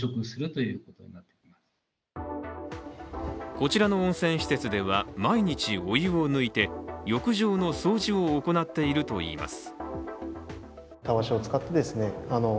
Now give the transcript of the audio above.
こちらの温泉施設では、毎日お湯を抜いて浴場の掃除を行っているといいます。